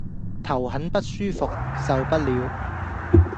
頭很不舒服，受不了